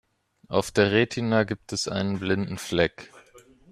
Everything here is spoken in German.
Auf der Retina gibt es einen blinden Fleck.